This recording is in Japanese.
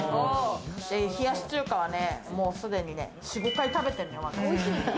冷やし中華はね、もうすでに４５回食べてるのよ、私。